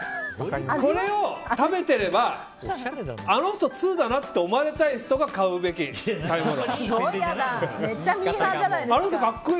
これを食べていればあの人、通だなと思われたい人が買うべき食べ物。